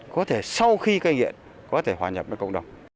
có thể sau khi cai nghiện có thể hòa nhập với cộng đồng